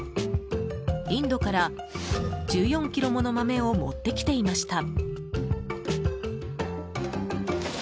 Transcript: インドから１４ｋｇもの豆を持ってきていました。